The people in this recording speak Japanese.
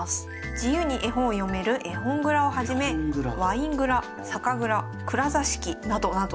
自由に絵本を読める絵本蔵をはじめワイン蔵酒蔵蔵座敷などなど。